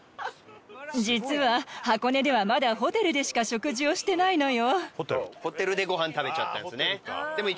実は箱根では、まだホテルでしか食事をしてないのよ。